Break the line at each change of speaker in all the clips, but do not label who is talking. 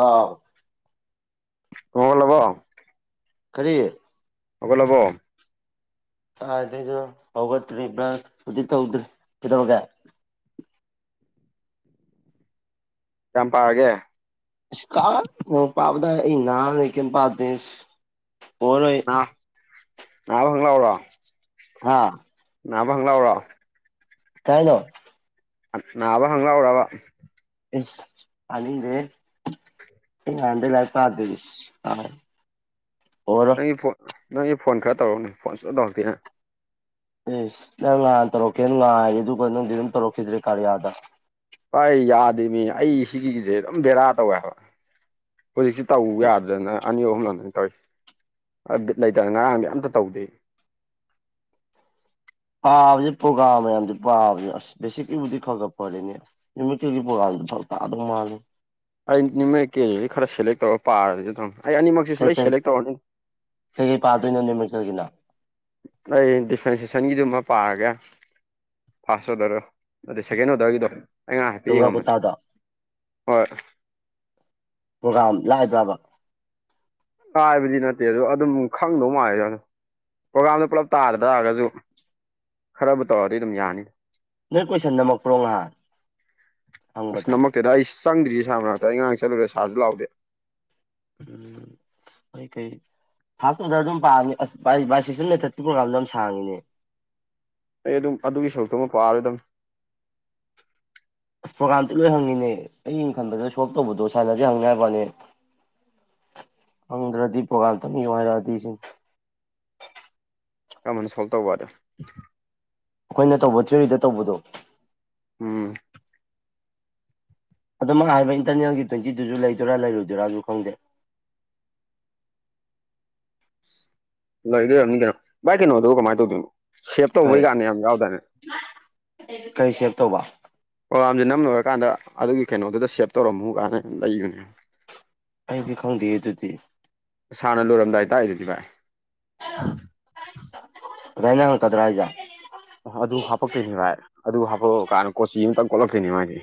ꯑꯥ
ꯀꯃ ꯀ ꯂꯕꯣ
ꯀꯔꯤ
ꯍꯕꯣ ꯂꯕꯣ
ꯁꯨ ꯍꯧꯒꯠꯇ꯭ꯔꯤ ꯍꯧꯖꯤ ꯇꯧꯗ꯭ꯔꯤ ꯀꯩꯗꯧꯔꯒ
ꯀꯌꯥꯝ ꯄꯥꯔꯒꯦ
ꯁꯀꯥ ꯄꯥꯕꯗ ꯏꯩꯅ ꯂꯩꯦꯀ ꯄꯥꯔꯁ ꯑꯣꯏꯔ
ꯅꯅꯥꯕ ꯍꯪ ꯂꯥꯎꯔꯣ
ꯍꯥ
ꯅꯅꯥꯕ ꯍꯪ ꯂꯥꯎꯔꯣ
ꯀꯥꯏ ꯅ
ꯅꯕ ꯍꯪ ꯑꯣꯏꯎꯕ
ꯁ ꯑꯅꯤ ꯔꯦ ꯌꯥꯗ ꯂꯥꯏꯄꯥ ꯑꯥꯗꯁ ꯑ
ꯅꯪꯒꯤ ꯐꯣꯟ ꯅꯪꯒꯤ ꯐꯣꯟ ꯈꯔ ꯇꯧꯔꯛꯎꯅꯦ ꯐꯣꯟ ꯁ ꯇꯧꯔꯛꯇꯦꯅ
ꯑꯦꯁ ꯅꯪ ꯉꯥꯟ ꯇꯧꯔꯛꯀꯦꯅ ꯉꯥꯏꯌꯦ ꯑꯗꯨꯒ ꯅꯪꯗꯤ ꯑꯗꯨꯝ ꯇꯧꯔꯛꯈꯤꯗ꯭ꯔꯦ ꯀꯥꯔꯤꯌꯥꯗ
ꯑꯩꯥꯏ ꯌꯥꯗꯦ ꯃꯤ ꯑꯩ ꯁꯤꯒꯤꯒꯤꯁꯦ ꯑꯗꯨꯝ ꯕꯦꯔꯥ ꯇꯧꯋꯦꯕ ꯍꯧꯖꯤꯛꯁꯤ ꯇꯧ ꯌꯥꯗꯦꯅ ꯑꯅꯤ ꯑꯍꯨꯝ ꯂ ꯇꯧ ꯂꯩꯇꯅ ꯉꯔꯥꯡꯗꯤ ꯑꯝꯇ ꯇꯧꯗꯦ
ꯄꯥꯕꯁꯦ ꯄꯣꯒꯥꯥꯝ ꯃꯌꯥꯝꯁꯨ ꯄꯥꯕꯅꯦ ꯑꯁ ꯦꯁꯤꯛꯀꯤꯕꯨꯗꯤ ꯈꯒꯠꯄꯔꯅꯦ ꯅꯨꯃꯤ ꯀꯒꯤ ꯄꯣꯝ ꯐ ꯇꯥꯛ ꯑꯗꯨꯝ ꯃꯥꯜꯂꯦ
ꯑꯩ ꯅꯤꯃꯤ ꯀꯦꯖꯤꯗꯤ ꯈꯔ ꯁꯦꯂꯦꯛ ꯇꯧꯔꯒ ꯄꯥꯔꯗꯤꯧ ꯑꯩ ꯑꯅꯤꯃꯛꯁꯤ ꯁ ꯂꯣꯏ
ꯀꯩꯀꯩ
ꯁꯦꯂꯦꯛ ꯇꯧꯔꯅꯤ
ꯀꯩꯀꯩ ꯄꯥꯗꯣꯏꯅꯣ ꯅꯨꯃꯤꯠꯀꯒꯤꯅ
ꯑꯩ ꯗꯤꯐ꯭ꯔꯦꯟꯁꯤꯦꯁꯟꯒꯤꯗꯨꯃ ꯄꯥꯔꯒꯦ ꯐꯥꯔꯁ ꯑꯣꯗꯔꯣ ꯑꯗ ꯁꯦꯀꯦꯟ ꯑꯣꯗꯔꯒꯤꯗꯣ ꯑꯩ ꯉ ꯍꯥꯏꯐꯦꯠ
ꯗꯨꯔꯒꯥ
ꯌꯦꯡꯉꯝꯕꯅꯤ
ꯀꯨꯇꯥꯗꯣ
ꯍꯣꯏ
ꯄ꯭ꯔꯣꯒꯥꯝ ꯂꯥꯛꯕ꯭ꯔꯕ
ꯍꯥꯏꯕꯗꯤ ꯅꯠꯇꯦ ꯑꯗꯨꯗ ꯑꯗꯨꯝ ꯈꯪꯗꯧ ꯃꯥꯜꯂꯤꯗꯗ ꯄ꯭ꯔꯣꯒꯥꯝꯗꯣ ꯄꯨꯜꯂꯞ ꯇꯥꯗ ꯇꯥꯔꯒꯁꯨ ꯈꯔꯕꯨ ꯇꯧꯔꯗꯤ ꯑꯗꯨꯝ ꯌꯥꯅꯤ
ꯅꯣꯏ ꯀꯣꯏꯁꯟ ꯅꯝꯃꯛꯄ꯭ꯔꯣ ꯉꯍꯥꯟ
ꯑꯁ
ꯍꯪꯕꯗꯣ
ꯅꯝꯃꯛꯇꯦꯗ ꯑꯩ ꯆꯪꯗ꯭ꯔꯤ ꯁꯥ ꯃꯔꯅꯥꯛꯇ ꯑꯩꯉꯥꯡ ꯆꯠꯂꯨꯔꯦ ꯁꯥꯔꯁꯨ ꯂꯥꯎꯗꯦ
ꯎꯝ ꯑꯩ ꯀꯩ ꯐꯥꯥꯁ ꯑꯣꯔꯗꯔꯗꯨ ꯑꯗꯨꯝ ꯄꯥꯅꯤ ꯑꯥꯏꯁꯟ ꯃꯦꯊꯠꯀꯤ ꯄ꯭ꯔꯣꯒꯥꯝꯗ ꯌꯥꯝ ꯁꯥꯡꯉꯤꯅꯦ
ꯑꯩ ꯑꯗꯨꯝ ꯑꯗꯨꯒꯤ ꯁꯔꯨꯛꯇꯨ ꯑꯃ ꯄꯥꯔꯣꯏ ꯑꯗꯨꯝ
ꯑꯁ ꯄ꯭ꯔꯣꯒꯥꯝꯇ ꯂꯣꯏ ꯍꯪꯅꯤꯤꯅꯦ ꯑꯡ ꯈꯟꯕꯗ ꯁꯣꯜꯞ ꯇꯧꯕꯗꯣ ꯁꯥꯟꯅꯁꯦ ꯍꯪꯅꯤ ꯍꯥꯏꯕꯅꯦ ꯑꯪꯗ꯭ꯔꯗꯤ ꯄꯒꯇꯅꯤ ꯑꯣꯏꯔꯗꯤꯁꯤ
ꯀꯃꯅ ꯁꯣꯜꯕ ꯇꯧꯕꯗ
ꯑꯩꯈꯣꯏꯅ ꯇꯧꯕ ꯊ꯭ꯔꯤꯔꯤꯗ ꯇꯧꯕꯗꯣ
ꯎꯝ
ꯑꯗꯣ ꯃꯥ ꯍꯥꯏꯔꯤꯕ ꯏꯟꯇꯔꯅꯦꯜꯒꯤ ꯇ꯭ꯋꯦꯟꯇꯤ ꯇꯨꯁꯨ ꯂꯩꯗꯣꯏꯔꯥ ꯂꯩꯔꯣꯏꯗꯣꯏꯔꯥꯁꯨ ꯈꯪꯗꯦ
[unintelligible] [inaudible] ꯂꯗ ꯌꯥꯔꯅꯤ ꯀ ꯚꯥꯏ ꯀꯩꯅꯣꯗ ꯀꯃꯥꯏꯅ ꯇꯧꯗꯣꯏꯅꯣ ꯁꯦꯞ
ꯀꯩ
ꯇꯧꯕꯩ ꯀꯥꯟꯅꯤ ꯌꯥꯝ ꯌꯥꯎꯗꯅꯦ
ꯀꯩ ꯁꯦꯞ ꯇꯧꯕ
ꯑꯣ ꯁꯦ ꯅꯝ ꯂꯣꯏꯔꯀꯥꯟꯗ ꯑꯗꯨꯒꯤ ꯀꯩꯅꯣꯗꯨꯗ ꯁꯦꯞ ꯇꯧꯔꯝꯃꯨ ꯀꯗ ꯂꯩꯕꯅꯦ
ꯑꯩꯗꯤ ꯈꯪꯗꯦ ꯑꯗꯨꯗꯤ
ꯁꯥꯥꯟꯅ ꯂꯣꯏꯔꯝꯗꯥꯏ ꯇꯥꯛꯏ ꯑꯗꯨꯗꯤ ꯚꯥꯏ
ꯀꯅ ꯈꯜ ꯀꯗ꯭ꯔ ꯍꯥꯏꯖ
ꯑꯣ ꯑꯗꯨ ꯍꯥꯄꯛꯇꯣꯏꯅꯤ ꯚꯥꯏ ꯑꯗꯨ ꯍꯥꯞꯄꯛꯑ ꯀꯥꯟꯗ ꯀꯣꯆꯤ ꯑꯃꯇꯪ ꯀꯣꯠꯂꯛꯇꯣꯏꯅꯤ ꯃꯣꯏꯗꯤ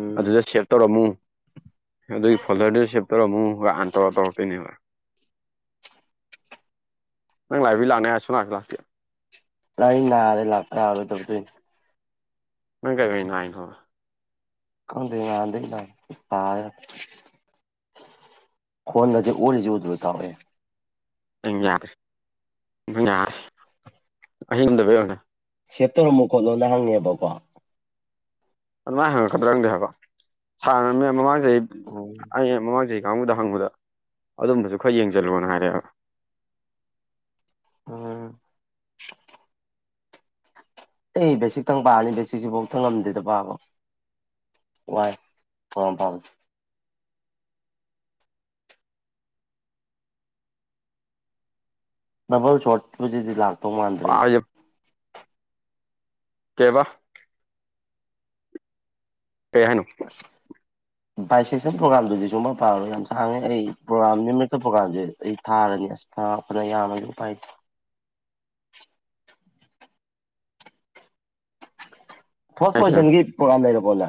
ꯎꯝ
ꯑꯗꯨꯗ ꯁꯦꯚ ꯇꯧꯔꯝꯃꯨ ꯑꯗꯨꯒꯤ ꯐꯣꯗꯔꯗꯦ ꯆꯦꯞꯇꯔ ꯑꯃꯨꯛ ꯈ ꯑꯟꯇꯔ ꯇꯧꯔꯛꯛꯇꯅꯦꯕ ꯅꯪ ꯂꯥꯛꯕꯤ ꯂꯅꯤ ꯍꯥꯏ ꯁꯣꯅꯒ ꯂꯥꯛꯀꯦ
ꯂ ꯅ ꯑꯔꯦ ꯂꯥꯛꯇꯥ ꯍꯥꯏꯦ ꯇꯧ ꯀ
ꯅꯪ ꯀꯔꯤꯒꯤ ꯅꯥꯏꯅꯣ
ꯈꯡꯗꯦ ꯌꯥꯗꯣꯏꯔꯥ ꯄꯒꯗꯔꯥ ꯈꯣꯜꯂꯥꯁꯦ ꯑꯣꯂꯤꯁꯦ ꯎꯗꯔꯥ ꯏꯇꯥꯑꯣꯏ
ꯑ ꯌꯥꯔꯦ ꯌꯥꯔꯦ ꯑꯍꯤꯡ ꯑꯃꯗꯕꯣ
ꯁꯦꯞ ꯇꯧꯔꯝꯃꯣ ꯈꯣꯠꯂꯣꯅ ꯍꯪꯉꯦꯕꯀꯣ
ꯑꯗꯨꯃꯥꯏꯅ ꯍꯪꯉꯛꯀꯗ꯭ꯔꯪꯗꯦ ꯍꯥꯏꯕ ꯁꯥꯔꯅ ꯃꯃꯥꯡ ꯆꯍꯤꯩ
ꯎꯝ
ꯑꯩ ꯃꯃꯥꯡ ꯆꯍꯤꯩ ꯍꯥꯡꯕꯨꯗ ꯍꯪꯕꯗ ꯑꯗꯨꯝꯕꯁꯨ ꯈꯔ ꯌꯦꯡꯁꯤꯜꯂꯣꯅ ꯍꯥꯏꯔꯛꯑꯦꯕ
ꯑ ꯑꯩ ꯕꯦꯁꯤꯛꯇꯪ ꯄꯥꯅꯤ ꯕꯦꯁꯤꯛꯁꯤꯐꯥꯎ ꯊꯪ ꯉꯝꯗꯦꯗ ꯄꯥꯕ ꯋꯥꯏ ꯐ ꯄꯥꯝ ꯗꯕꯜ ꯁꯣꯔꯠꯄꯨꯁꯤꯗꯤ ꯂꯥꯛꯇꯧ ꯃꯥꯟꯗ꯭ꯔꯦ ꯑꯩꯗꯤ
ꯄꯥꯖꯦ ꯀꯕꯥ ꯀꯦꯍꯅꯨ
ꯚꯏ ꯁꯦꯛꯁꯟ ꯄ꯭ꯔꯣꯒꯥꯝꯗꯨꯗꯤ ꯁꯨꯝꯕ ꯄꯥꯔꯣ ꯌꯥꯝ ꯁꯥꯡꯉꯦ ꯑꯩ ꯄ꯭ꯔꯣꯒꯥꯝ ꯅꯨꯃꯤꯛꯇ ꯄ꯭ꯔꯣꯒꯥꯝꯁꯦ ꯑꯩ ꯊꯥꯔꯅꯤ ꯄꯗ ꯌꯥꯝꯗꯨ ꯄꯥꯏ
[inaudible]
ꯐꯥꯔꯁ ꯄꯣꯖꯤꯁꯟꯒꯤ ꯄ꯭ꯔꯣꯒꯥꯝ ꯂꯩꯔꯕꯣꯂ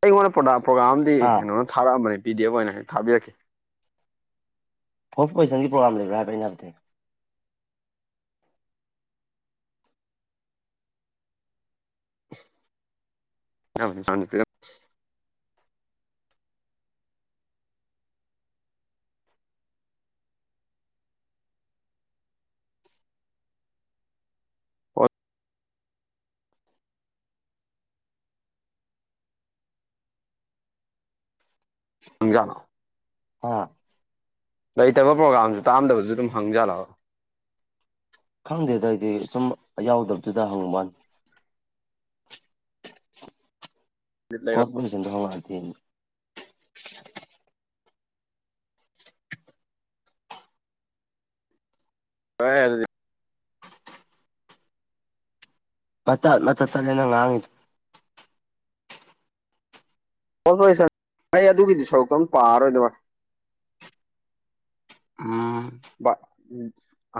ꯑꯩꯉꯣꯟꯗ ꯄ꯭ꯔꯣꯒꯥꯝꯗꯤ
ꯍꯥ
ꯀꯩꯅꯣꯅ ꯊꯥꯔꯛꯑꯝꯕꯅꯤ ꯄꯕꯤꯗꯤꯕ ꯑꯣꯏꯅ ꯊꯥꯕꯤꯔꯛꯀꯦ
ꯐꯣꯔꯁ ꯄꯣꯖꯤꯁꯟꯒꯤ ꯄ꯭ꯔꯣꯒꯥꯝ ꯂꯩꯕ꯭ꯔꯥ ꯍꯥꯏꯕ꯭ꯔꯥ ꯑꯩꯅꯠꯇꯅꯦ
ꯁꯥꯟ ꯇꯪꯒꯅ
ꯑꯥ
ꯂꯩꯇꯕ ꯄ꯭ꯔꯣꯒꯥꯝꯁꯨ ꯇꯥꯝꯗꯕꯁꯨ ꯑꯗꯨꯝ ꯍꯪꯖꯜꯂꯛꯑꯣ
ꯈꯪꯗꯦꯗꯏꯗꯤ ꯁꯨꯝ ꯌꯥꯎꯗꯕꯗꯨꯗ ꯍꯪꯉꯨ ꯃꯥꯅꯤ
[inaudible] ꯕꯤꯠ
ꯄꯠ ꯄꯨꯁꯗ ꯍꯥꯊꯤꯟ
ꯍ ꯍꯥꯏꯔꯗꯤ
ꯃꯊ ꯃꯊꯠ ꯇꯠꯂꯦ ꯅꯪ ꯉꯥꯡꯉꯤꯗꯨ
ꯍꯣꯏ ꯑꯩ ꯑꯗꯨꯒꯤꯗꯤ ꯁꯔꯨꯛꯇꯣ ꯑꯗꯨꯝ ꯄꯥꯔꯔꯣꯏꯗꯕ
ꯎꯝ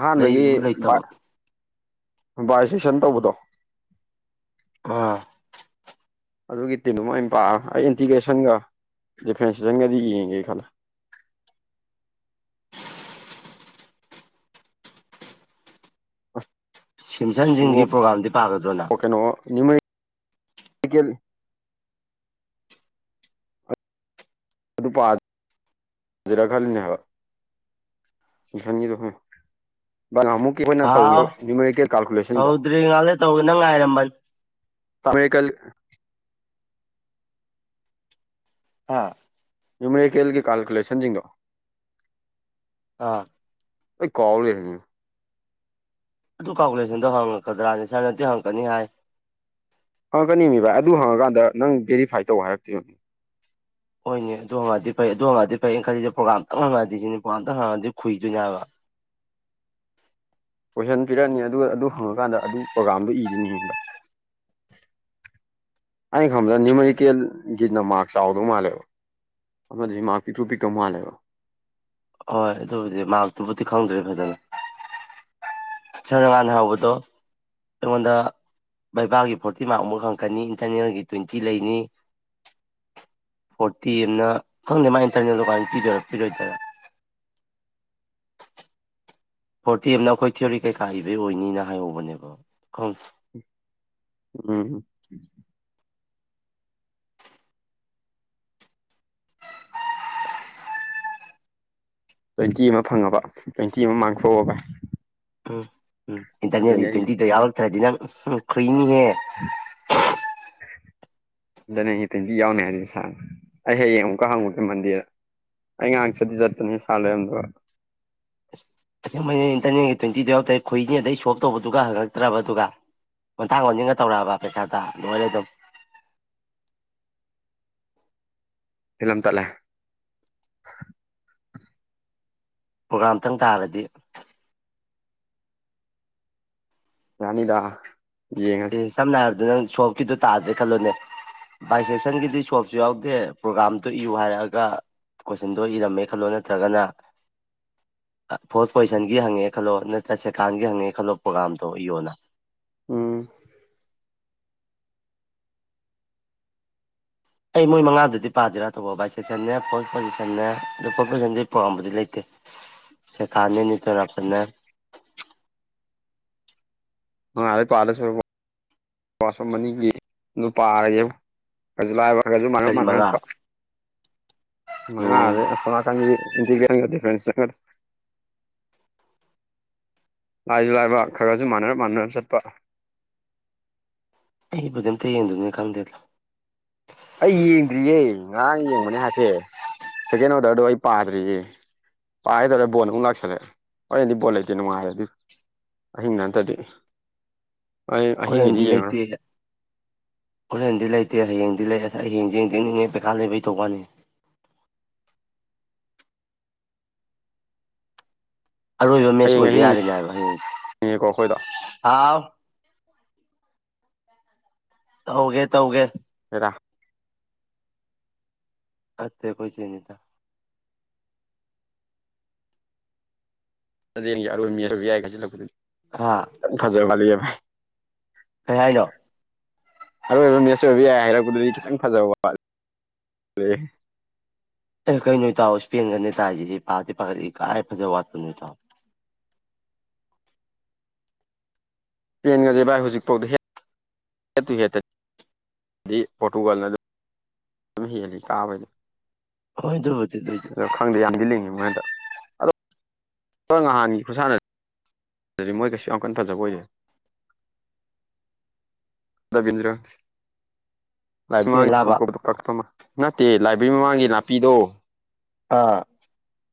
ꯑꯍꯥꯟꯕꯗꯒꯤ
ꯂꯩꯕ ꯂꯩꯇꯕ
ꯕꯥ ꯁꯁꯟ ꯇꯧꯕꯗꯣ
ꯑꯥ
ꯑꯗꯨꯒꯤ ꯇꯤꯝ ꯑꯃ ꯑꯝ ꯄꯥꯛꯑ ꯑꯩ ꯏꯟꯇꯤꯒ꯭ꯔꯦꯁꯟꯒ ꯐ꯭ꯔꯦꯟꯁ ꯆ ꯀꯗꯤ ꯌꯦꯒ ꯈꯜ
ꯁꯤꯝꯁꯟꯁꯤꯡꯒꯤ ꯄ꯭ꯔꯣꯒꯥꯝꯗꯤ ꯄꯥꯒꯗ꯭ꯔꯣꯅ
ꯀꯦꯜ ꯑꯗꯨ ꯄꯥꯖꯔ ꯈꯜꯂꯤꯅꯦ ꯍꯥꯏꯕ ꯁꯟꯊꯅꯤꯌꯗꯍꯣꯏ ꯕꯅꯃꯨꯛꯀꯤ ꯑꯩꯈꯣꯏꯅ ꯇꯧꯗ
ꯍꯥꯎ
ꯅ꯭ꯌꯨꯃꯔꯤꯀꯦꯜ ꯀꯥꯜꯀꯨꯂꯦꯁꯟꯗꯣ
ꯍꯧꯗ꯭ꯔꯤ ꯉꯥꯜꯂꯦ ꯇꯧꯒꯦꯅ ꯉꯥꯏꯔꯝꯕꯅꯤ
ꯇꯃꯦ ꯀꯜ
ꯑꯥ
ꯌꯨꯝꯃꯩꯀꯦꯜꯒꯤ ꯀꯥꯜꯀꯨꯂꯦꯁꯟꯁꯤꯡꯤꯡꯗꯣ
ꯑꯥ
ꯑꯩ ꯀꯥꯎ ꯂꯩ ꯍꯥꯏꯅꯤ
ꯑꯗꯨ ꯀꯥꯜꯀꯨꯂꯦꯁꯟꯗꯣ ꯍꯪꯉꯛꯀꯗ꯭ꯔꯥꯅꯦ ꯁꯥꯔ ꯅꯠꯇꯦ ꯍꯪꯉꯛꯀꯅꯤ ꯍꯥꯏ
ꯍꯪꯉꯛꯀꯅꯤ ꯃꯤ ꯚꯥꯏ ꯑꯗꯨ ꯍꯪꯉꯀꯥꯟꯗ ꯅꯪ ꯚꯦꯔꯤꯐꯥꯏ ꯇꯧꯕ ꯍꯥꯏꯔꯛꯇꯣꯏꯔꯤꯕꯅꯤ
ꯍꯣꯏꯅꯦ ꯑꯗꯨ ꯍꯉꯗꯤ ꯐꯩ ꯑꯗꯨ ꯍꯉꯗꯤ ꯐꯩꯌꯦ ꯈꯜꯂꯤꯁꯦ ꯄ꯭ꯔꯣꯒꯥꯝ ꯇꯪꯍꯉꯑꯗꯤ ꯁꯤꯅꯦ ꯄ꯭ꯔꯣꯒꯥꯝꯇꯪ ꯍꯪꯉꯗꯤꯈꯨꯏꯗꯣꯏꯖꯥꯠꯂꯥ
[unintelligible] ꯀꯣꯏꯁꯟ ꯄꯤꯔꯛꯑꯅꯤ ꯑꯗꯨꯒ ꯑꯗꯨ ꯍꯪꯉꯀꯥꯟꯗ ꯑꯗꯨ ꯄ꯭ꯔꯣꯒꯥꯝꯗꯨ ꯏꯗꯨꯣꯏꯅꯤ ꯕ [inaudible] ꯑꯩꯅ ꯈꯪꯕ꯭ꯔ ꯅꯤꯌꯨꯃꯔꯤꯀꯦꯜꯒꯤꯠꯅ ꯃꯥꯔꯛ ꯆꯥꯎꯗꯧ ꯃꯥꯜꯂꯦꯕ ꯑꯃꯖꯤ ꯃꯔꯛ ꯄꯤꯛꯇ꯭ꯔꯨ ꯄꯤꯛꯇꯧ ꯃꯥꯜꯂꯦꯕꯥ
ꯍꯣꯏ ꯑꯗꯨꯕꯨꯗꯤ ꯃꯥꯛꯇꯨꯕꯨꯗꯤ ꯈꯪꯗ꯭ꯔꯦ ꯐꯖꯅ ꯆꯔꯉꯥꯅ ꯍꯧꯕꯗꯣ ꯑꯩꯉꯣꯟꯗ ꯕꯩꯕꯥꯒꯤ ꯐꯣꯔꯇꯤ ꯃꯥꯔꯛ ꯑꯃꯨꯛ ꯍꯪꯉꯛꯀꯅꯤ ꯏꯟꯇꯔꯅꯦꯜꯒꯤ ꯇ꯭ꯋꯦꯟꯇꯤ ꯂꯩꯅꯤ ꯐꯣꯔꯇꯤ ꯑꯝꯅ ꯈꯪꯗꯦ ꯃꯥꯏ ꯏꯟꯇꯔꯅꯦꯜ ꯗꯨꯀꯃꯥꯏ ꯄꯤꯗꯣꯏ ꯄꯤꯔꯣꯏꯗꯣꯔ
[inaudible]
ꯐꯣꯔꯇꯤ ꯑꯝꯅ ꯑꯩꯈꯣꯏ ꯊꯤꯑꯣꯔꯤ ꯀꯩꯀꯥ ꯏꯕꯩ ꯑꯣꯏꯅꯤꯅ ꯍꯥꯏꯍꯧꯕꯅꯦꯕ ꯈꯪ
ꯎꯝ ꯇ꯭ꯋꯦꯟꯇꯤ ꯑꯃ ꯐꯪꯉꯕ ꯇ꯭ꯋꯦꯟꯇꯤ ꯑꯃ ꯃꯥꯡꯊꯣꯛꯑꯕ
ꯎꯝ ꯎꯝ
ꯑꯗꯨꯅꯤ
ꯏꯟꯇꯔꯅꯦꯜꯒꯤ
ꯑꯩꯒꯤ
ꯇꯋꯦꯟꯇꯤꯗꯣ ꯌꯥꯎꯔꯛ ꯇꯔꯗꯤ ꯅꯪ ꯏꯍꯦ
ꯏꯟꯇꯔꯅꯦꯟꯒꯤ ꯇꯨꯋꯤꯟꯇꯤ ꯌꯥꯎꯅꯤ ꯍꯥꯏꯗꯨꯗꯤ ꯁꯥꯔꯅ ꯑꯩ ꯍꯌꯦꯡ ꯑꯃꯨꯛꯀ ꯍꯪꯉꯨꯒꯦ ꯃꯟꯗꯦꯗ ꯑꯩ ꯉꯥꯍꯥꯡ ꯆꯠꯗꯤ ꯆꯠꯄꯅꯤ ꯁꯥꯔ ꯂꯩꯔꯝꯗꯕ
ꯑꯁ ꯑꯁꯦꯡꯃꯩꯅ ꯏꯟꯇꯔꯅꯦꯟꯒꯤ ꯇ꯭ꯋꯦꯟꯇꯤꯗꯣ ꯌꯥꯎ ꯇꯔꯦꯠ ꯈꯨꯨꯏꯅꯤ ꯑꯗꯩ ꯁꯣꯞ ꯇꯧꯕꯗꯨꯒ ꯍꯪꯉꯛꯇ꯭ꯔꯕ ꯑꯗꯨꯒ ꯈꯣꯟꯊꯥꯡ ꯑꯣꯟꯖꯤꯟꯒ ꯇꯧꯔꯛꯑꯕ ꯄꯩꯈꯥꯗ ꯂꯣꯏꯔꯦ ꯑꯗꯨꯝ
[inaudible] ꯐꯤꯂꯝ ꯇꯠꯂꯦ
ꯄꯔꯣꯒꯥꯝꯇꯪ ꯇꯥꯔꯗꯤ
ꯌꯥꯅꯤꯗ ꯌꯦꯡꯉꯁꯤ
ꯑꯦ ꯁꯝꯅ ꯍꯥꯏꯔꯕꯗ ꯅꯪ ꯁꯣꯞꯀꯤꯗꯣ ꯇꯥꯗ꯭ꯔꯦ ꯈꯜꯂꯣꯅꯦ ꯚꯏ ꯁꯦꯛꯁꯟꯒꯤꯗꯤ ꯁꯣꯞꯁꯨ ꯌꯥꯎꯗꯦ ꯄ꯭ꯔꯣꯒꯥꯥꯝꯇꯨ ꯏꯌꯨ ꯍꯥꯏꯔꯛꯑꯒ ꯀꯣꯏꯁꯟꯗꯣ ꯏꯔꯝꯃꯦ ꯈꯜꯂꯣ ꯅꯠꯇ꯭ꯔꯒꯅ ꯐꯣꯔꯁ ꯄꯣꯖꯤꯁꯟꯒꯤ ꯍꯪꯉꯦ ꯈꯜꯂꯣ ꯅꯠꯇ꯭ꯔ ꯁꯦꯀꯥꯟꯒꯤ ꯍꯪꯉꯦ ꯈꯜꯂꯣ ꯄ꯭ꯔꯣꯒꯥꯝꯇꯣ ꯏꯌꯣꯅ
ꯎꯝ
ꯑꯩ ꯃꯣꯏ ꯃꯉꯥꯗꯨꯗꯤ ꯄꯥꯖꯤꯔꯥ ꯇꯧꯕꯣ ꯚꯥꯏ ꯁꯦꯛꯁꯟꯅꯦ ꯐꯣꯔꯁ ꯄꯣꯖꯤꯁꯟꯅ ꯑꯗꯨ ꯐꯣꯔ ꯄꯣꯖꯤꯁꯟ ꯑꯩ ꯄꯥꯝꯕꯗꯤ ꯂꯩꯇꯦ
[inaudible]
ꯁꯦꯀꯥꯟꯅꯦ ꯅꯨꯏꯇꯔꯞ ꯁꯟꯅꯦ
ꯃꯉꯥꯂꯣꯏ ꯄꯥꯗꯣꯏ ꯁꯔꯨꯛ ꯄꯥ ꯁꯣꯝ ꯑꯅꯤꯒꯤ ꯅꯨ ꯄꯥꯔꯒꯦꯕꯣ ꯈꯖꯨꯂꯥꯏꯕ ꯈꯒꯁꯨ ꯃꯅꯔꯞ
ꯀꯔꯤ ꯃꯉꯥ
ꯃꯅꯔꯞꯄ
ꯎꯝ
ꯃꯉꯥꯔꯦ ꯑꯁꯣꯝ ꯅꯥꯀꯟꯒꯤ ꯏꯟꯇꯤꯒꯔ꯭ꯦꯜ ꯐ [unintelligible] ꯂꯥꯏꯖꯨ ꯂꯥꯏꯕ ꯈꯒꯁꯨ ꯃꯥꯟꯅꯔꯞ ꯃꯥꯟꯅꯔꯞ ꯆꯠꯄ
ꯑꯩꯕꯨꯗꯤ ꯑꯝꯇ ꯌꯦꯡꯗꯕꯅꯤꯅ ꯈꯪꯗꯦꯗꯥ
ꯑꯩ ꯌꯦꯡꯗ꯭ꯔꯤꯌꯦ ꯉꯔꯥꯡ ꯌꯦꯡꯕꯅꯦ ꯍꯥꯏꯐꯦꯠ ꯁꯦꯀꯦꯟ ꯑꯣꯔꯗꯔꯗꯣ ꯑꯩ ꯄꯥꯗ꯭ꯔꯤꯌꯦ ꯄꯥꯒꯦ ꯇꯧꯔ ꯕꯣꯟ ꯑꯃꯨꯛ ꯂꯥꯛꯁꯜꯂꯛꯑꯦ ꯍꯣꯔꯦꯟꯗꯤ ꯕꯣꯜ ꯂꯩꯇꯦ ꯅꯨꯡꯉꯥꯏꯔꯦ ꯑꯗꯨꯗꯤ ꯑꯍꯤꯡꯗ ꯅꯠꯇꯔꯗꯤ
ꯍꯣꯔꯦꯟꯗꯤ ꯂꯩꯇꯦ ꯍꯣꯔꯦꯟꯗꯤ ꯂꯩꯇꯦ ꯍꯌꯦꯡꯗꯤ ꯂꯩ ꯑꯩ ꯌꯦꯡꯖꯤ ꯌꯦꯡꯗꯤ ꯌꯦꯡꯅꯤꯡꯉꯦ ꯄꯩꯈꯥ ꯂꯩꯕꯩ ꯇꯧꯕꯥꯋꯥꯅꯤ ꯑꯔꯣꯏꯕ ꯃꯦꯠꯆ
ꯍꯌꯦꯡ
ꯑꯣꯏꯕ
ꯑꯍꯤꯡꯅꯤꯅꯦꯀꯣ
ꯌꯥꯔꯤꯅꯦ ꯍꯥꯏꯕ ꯍꯌꯦꯡꯁꯦ
ꯑꯩꯈꯣꯏꯗꯣ
ꯍꯥꯎ ꯍꯧꯒꯦ ꯇꯧꯒꯦ
ꯗꯥ
ꯅꯠꯇꯦ ꯑꯈꯣꯏ ꯆꯦꯅꯤꯠꯇ
ꯍꯗꯦꯟꯒꯤ ꯑꯔꯣꯏ ꯃꯦꯠ ꯑꯔꯣꯏꯕ ꯌꯥꯏ ꯀꯥꯏ ꯈꯥꯏꯁꯤꯜꯂꯛꯄꯗꯨꯗꯤ
ꯍꯥ
ꯌꯥꯝ ꯐꯖꯕ ꯋꯥꯠꯂꯤ
ꯀꯩ ꯍꯥꯏꯅꯣ
ꯑꯔꯣꯏꯕ ꯃꯦꯆꯁ ꯑꯣꯏꯕ ꯍꯥꯏꯔꯞ ꯗꯨꯗꯤ ꯈꯤꯇꯪ ꯐꯖꯕ ꯋꯥꯠ ꯂꯤ
ꯑꯦ ꯀꯩꯅꯣ ꯏꯇꯥꯎꯑꯣ ꯏꯁꯄꯦꯟꯅꯅꯤ ꯇꯥꯏ ꯍꯥꯏꯁꯦ ꯁꯤ ꯄꯥꯠꯇꯦ ꯄꯥꯈꯠ ꯀꯥꯏ ꯐꯖꯕ ꯋꯥꯠꯄ ꯅꯣ ꯏꯇꯥꯎ
ꯄꯦꯟꯒꯖꯦ ꯚꯥꯏ ꯍꯧꯖꯤꯛꯐꯥꯎꯗ ꯍꯦꯛ ꯑꯦꯠ ꯇꯨ ꯍꯦꯠꯇ ꯗꯤ ꯄꯣꯔꯇꯨꯒꯜꯅ ꯂꯧ ꯑꯝꯍꯦꯂꯤ ꯀꯥꯕꯩꯗ
ꯍꯣꯏ ꯑꯗꯨꯕ꯭ꯨꯗ
ꯑꯗꯣ ꯈꯪꯗꯦ ꯌꯥꯝꯗꯤ ꯂꯤꯡꯉꯤ ꯃꯣꯏ ꯍꯟꯗꯛ ꯑꯗꯣ ꯑꯣꯅꯍꯥꯟꯒꯤ ꯈꯨꯁꯥꯟꯅ ꯑꯗꯨꯗꯤ ꯃꯣꯏ ꯀꯩꯁꯨ ꯌꯥꯝ ꯀꯟ ꯐꯖꯕ ꯑꯣꯏꯗꯦ ꯕꯒꯤꯟꯗ꯭ꯔꯥ
ꯏꯁꯄꯦꯟ ꯂꯥꯕ
[unintelligible] ꯅꯠꯇ꯭ꯦꯑꯦ ꯂꯥꯏꯕ꯭ꯔꯦꯔꯤ ꯃꯃꯥꯡꯒꯤ ꯅꯥꯄꯤꯗꯣ
ꯑꯥ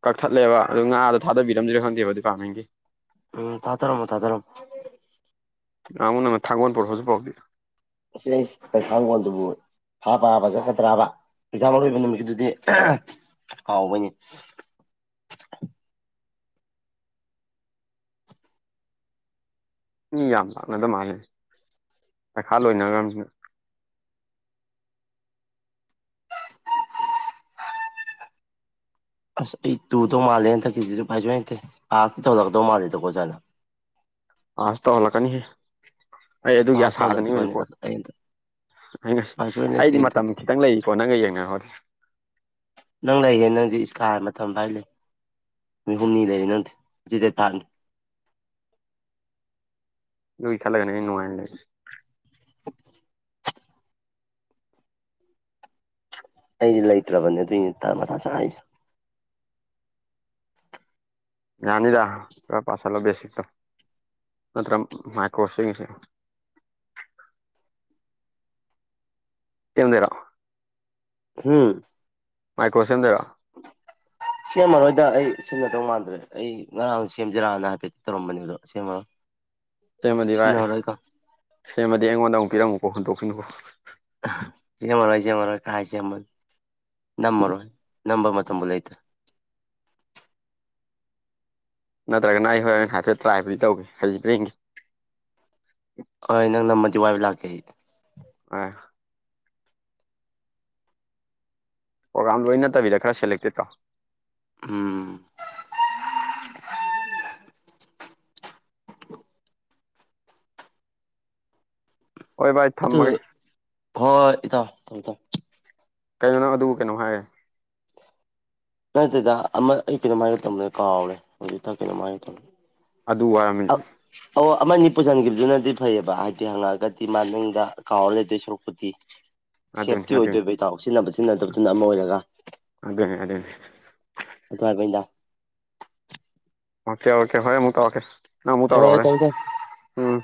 ꯀꯛꯊꯠꯂꯦꯕ ꯑꯗꯨ ꯉꯥꯗꯣ ꯊꯥꯗꯕꯤꯔꯝꯖꯤꯔꯥ ꯈꯪꯗꯦꯕ ꯗꯤꯄ꯭ꯥꯔꯠꯃꯦꯟꯒꯤ
ꯎꯝ ꯊꯥ ꯇꯔꯝꯃꯣ ꯊꯥꯗꯔꯝꯃꯣ [unintelligible]
[unintelligible] ꯊꯥꯒꯣꯟꯄꯨꯔꯛꯄ꯭ꯔꯥꯖꯨ ꯄꯨꯔꯛꯇꯦ
ꯑꯁꯤ ꯑ꯭ꯩꯆ ꯀꯩꯈꯥꯡꯒꯣꯟꯗꯨꯕꯨ ꯍꯥꯞꯄ -ꯍꯥꯞꯄ ꯆꯠꯀꯗ꯭ꯔꯕ ꯑꯦꯛꯖꯥꯝ ꯑꯔꯣꯏꯕ ꯅꯨꯃꯤꯠꯀꯤꯗꯨꯗꯤ [unintelligible] ꯍꯥꯎꯕꯩꯅꯤ
[inaudible] ꯃꯤ ꯌꯥꯝ ꯂꯥꯛꯅꯗ ꯃꯥꯜꯂꯦ ꯄꯩꯈꯥ ꯂꯣꯏꯅꯒ꯭ꯔ꯭ꯝꯅꯤꯅ [inaudible]
ꯑꯁ ꯑꯩ ꯇꯨꯗꯧ ꯃꯥꯜꯂꯦ ꯍꯟꯊꯛꯀꯤꯖꯤꯖꯨꯐꯥꯏꯖ꯭ꯋꯥꯏꯇꯦ ꯑꯥꯥꯁꯇꯤ ꯇꯧꯍꯟꯂꯛꯇꯧ ꯃꯥꯜꯂꯤꯗꯀꯣ ꯑꯣꯖꯥꯅ
ꯑꯁ ꯇꯧꯍꯜꯂꯛꯀꯅꯤꯍꯦ ꯑꯩ ꯑꯗꯨꯒꯤ
ꯄꯥꯁ ꯇꯧꯍꯜꯂꯗꯤ ꯐꯅꯤ
ꯑꯁꯥꯗꯅꯤꯔꯤꯄꯣꯠ
ꯑꯁ ꯑꯩ ꯍꯟꯗꯛ
ꯑꯩ ꯉꯁꯤ
ꯎꯄꯥꯏ ꯁꯨꯡꯂꯩ ꯂꯩꯇꯦ
ꯑꯩꯗꯤ ꯃꯇꯝ
ꯍꯟꯗꯛꯇꯤ
ꯈꯤꯇꯪ ꯂꯩꯔꯤꯀꯣ ꯅꯪꯒ ꯌꯦꯡꯅꯧꯔꯗꯤ
ꯅꯪ ꯂꯩꯥꯏꯍꯦ ꯅꯪꯗꯤ ꯏꯁꯀꯥꯏ ꯃꯇꯝ ꯕꯥꯏꯂꯩ ꯅꯨꯏꯍꯨꯝꯅꯤ ꯂꯩꯔꯥ ꯅꯪꯗꯤ ꯖꯤꯇꯦꯠ ꯄꯥꯡ
[inaudible] ꯂꯨꯏ ꯈꯦꯜꯂꯒꯅꯦ ꯑꯩ ꯅꯨꯡꯉ꯭ꯥꯏ꯭ꯅ ꯂꯩꯔꯤꯁꯤ
ꯑꯩꯗꯤ ꯂꯩꯇ꯭ꯔꯕꯅꯦ ꯑꯗꯨꯏꯅꯦ ꯊꯥ ꯃꯊꯥ ꯁ꯭ꯥꯏꯁ
ꯌꯥꯅꯤꯗ ꯈ꯭ꯔ ꯄꯥꯁ ꯊꯜꯂꯣ ꯕꯦꯁ꯭ꯤꯁꯇꯣ ꯅꯠꯇ꯭ꯔ ꯃꯥꯏꯀ꯭ꯔ꯭ꯣꯁ [unintelligible] [unintelligible] ꯊꯦꯝꯗꯦꯔꯣ
ꯍꯨꯝ
ꯃꯥꯏꯀ꯭ꯔꯣꯁꯦꯝꯗꯣꯏꯔꯣ
ꯁꯦꯝꯃꯔꯣꯏꯗ ꯑꯩ ꯁꯤꯟꯅꯇꯧ ꯃꯥꯟꯗ꯭ꯔꯦ ꯑꯩ ꯉꯔꯥꯡ ꯁꯦꯝꯖꯤꯔꯅ ꯍꯥꯏꯐꯦꯠ ꯇꯧꯔꯝꯕꯅ꯭ꯦꯑꯗꯣ ꯁꯦꯝꯃꯔꯣꯏ
ꯁꯦꯝꯃꯗꯤ ꯚꯥꯏ
ꯁꯤꯖꯤꯟꯅꯔꯔꯣꯏꯀꯣ
ꯁꯦꯝꯃꯗꯤ ꯑꯩꯉꯣꯟꯗ ꯑꯃꯨꯛ ꯄꯤꯔꯝꯃꯨꯀꯣ ꯍꯨꯟꯗꯣꯛꯈꯤꯅꯨꯀꯣ
ꯑꯥꯍ ꯖꯦꯝꯃꯔꯣꯏ ꯖꯦꯝꯃꯔꯣꯏ ꯀꯥꯏꯖꯦꯝꯕ ꯅꯝꯃꯔꯣꯏ ꯅꯝꯕ ꯃ ꯇꯝꯕꯨ ꯂꯩꯇꯦ
ꯅꯠꯇ꯭ꯔꯒꯅ ꯑꯩ ꯍꯣꯔꯦꯟ ꯍꯥꯏꯐꯦꯠ ꯇ꯭ꯔꯥꯏꯕꯨꯗꯤ ꯇꯧꯒꯦ ꯍꯩꯕ꯭ꯔꯥ ꯌꯦꯡꯒꯦ
ꯍꯣꯏ ꯅꯪ ꯅꯝꯃꯗꯤ ꯋꯥꯏꯕ ꯂꯥꯛꯀꯦ ꯑꯩ
ꯑ꯭ꯥꯏ꯭ꯛ ꯑꯣꯒ꯭ꯔꯥꯝ ꯂꯣꯏ ꯅꯠꯇꯕꯤꯗ ꯈꯔ ꯁꯦꯂꯦꯛꯇꯦꯠꯇꯣ
ꯎꯝ [unintelligible]
ꯍꯣꯏ ꯚꯥꯏ
ꯑꯗꯨ
ꯊꯝꯃꯒꯦ
ꯍꯣꯏ ꯏꯇꯥꯎ ꯊꯝ-ꯊꯝꯃꯦ
ꯀꯩꯅꯣꯅꯪ ꯑꯗꯨꯕꯨ ꯀꯩꯅꯣ ꯍꯥꯏꯔꯦ
ꯅꯠꯇꯦꯗ ꯑꯃ ꯑꯩ ꯀꯩꯅꯣꯃꯥꯍꯥꯏꯔꯦ ꯇꯧꯑꯝꯗꯣ ꯑꯩꯀꯥꯎꯔꯦ ꯍꯧꯖꯤꯛꯇ ꯀꯩꯅꯣꯝꯃꯍꯥꯏ ꯇꯧꯔꯝ
ꯑꯗꯨ ꯋꯥꯔꯝꯃꯤ
ꯑꯃꯅꯤ ꯄꯨꯁꯤꯟꯒ꯭ꯤꯕꯗꯨꯅꯗꯤ ꯐꯩꯌꯦꯕ ꯍꯥꯏꯗꯤ ꯍꯪꯉꯛꯑꯒꯗꯤ ꯃꯥꯅꯤꯡꯗ ꯀꯥꯎꯔ ꯂꯩꯗꯣꯏ ꯁꯣꯔꯨꯛꯄꯨꯗꯤ
ꯑꯗꯨꯅꯤ
ꯁꯦꯞꯇꯤ
ꯑꯗꯨꯅꯤ
ꯑꯣꯏꯗꯣꯏꯕ ꯏꯇꯥꯎ ꯁꯤꯟꯅꯕ ꯁꯤꯟꯅꯗꯕꯗꯨꯅ ꯑꯃ ꯑꯣꯏꯔꯒ
ꯑꯗꯨꯅꯤ ꯑꯗꯨꯅꯤ ꯑꯗꯨꯅꯤ
ꯑꯗꯨ ꯍꯥꯏꯕꯩꯟꯗ
ꯑꯣꯀꯦ ꯑꯣꯀꯦ ꯍꯣꯔꯦ ꯑꯃꯨꯛ ꯇꯧꯔꯛꯀꯦ ꯅꯪ ꯑꯃꯨꯛ ꯇꯧꯔꯣꯑꯣ
ꯍꯣꯏ
ꯍꯣꯔꯦ
ꯊꯝꯃꯦ ꯊꯝꯃꯦ
ꯎꯝ